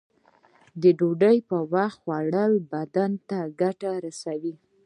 د ډوډۍ په وخت خوړل بدن ته ګټه رسوی.